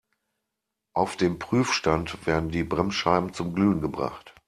Auf dem Prüfstand werden die Bremsscheiben zum Glühen gebracht.